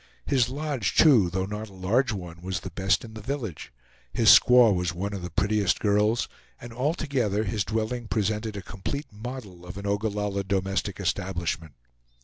His lodge too, though not a large one, was the best in the village, his squaw was one of the prettiest girls, and altogether his dwelling presented a complete model of an Ogallalla domestic establishment.